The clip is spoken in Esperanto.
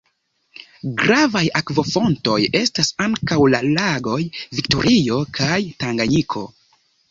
Gravaj akvofontoj estas ankaŭ la lagoj Viktorio kaj Tanganjiko.